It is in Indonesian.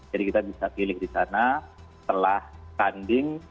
jadi kita bisa pilih di sana setelah tanding